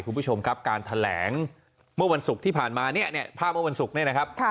คุณผู้ชมครับการแถลงเมื่อวันศุกร์ที่ผ่านมา